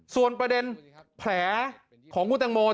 ส่วนประเด็นแผลของคุณตังโม